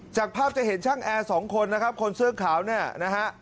จากภาพจะเห็นช่างแอร์สองคนนะครับคนเสื้อขาวเนี่ยนะฮะ